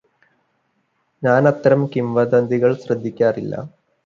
ഞാനത്തരം കിംവതന്തികള് ശ്രദ്ധിക്കാറില്ല